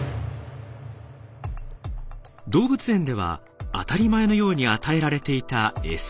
動物園では当たり前のように与えられていたエサ。